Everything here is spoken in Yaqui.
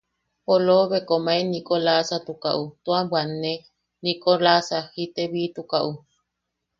Polobe komae Nikolasatukaʼu tua bwanne, Nikolasa jitebitukaʼu.